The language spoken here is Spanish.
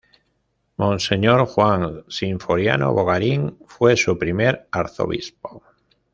Monseñor Juan Sinforiano Bogarín fue su primer arzobispo.